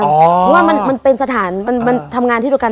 เพราะว่ามันเป็นสถานมันทำงานที่เดียวกัน